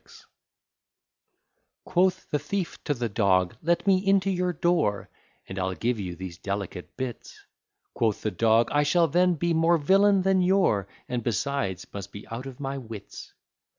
1726 Quoth the thief to the dog, let me into your door And I'll give you these delicate bits. Quoth the dog, I shall then be more villain than you're, And besides must be out of my wits.